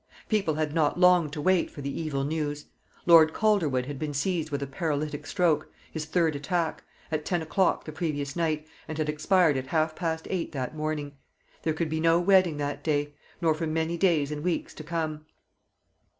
People had not long to wait for the evil news. Lord Calderwood had been seized with a paralytic stroke his third attack at ten o'clock the previous night, and had expired at half past eight that morning. There could be no wedding that day nor for many days and weeks to come.